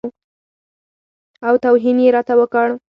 او توهین یې راته وکړ.